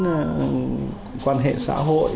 cái vốn quan hệ xã hội